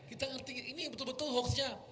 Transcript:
ini betul betul hoaxnya